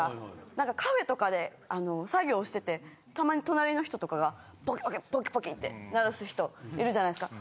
なんかカフェとかで作業しててたまに隣の人とかがポキポキって鳴らす人いるじゃないですか。